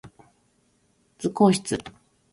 図工室